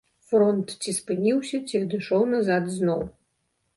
Фронт ці спыніўся, ці адышоў назад зноў.